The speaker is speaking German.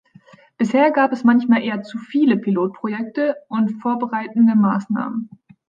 Bisher gab es manchmal eher zu viele Pilotprojekte und vorbereitende Maßnahmen.